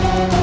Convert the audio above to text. satu jam baru